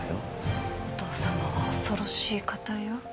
お父さまは恐ろしい方よ。